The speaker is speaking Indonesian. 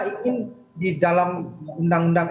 ingin di dalam undang undang